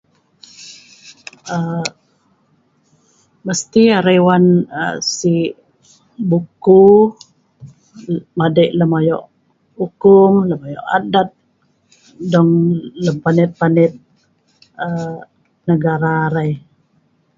Ah..mesti arai wan ah… si ‘ buku madei lem ayo ukum lem ayo a’daat dong lem panet panet ah… negara arai